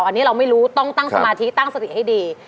อันนี้เราไม่รู้ต้องตั้งสมาธิตั้งสติให้ดี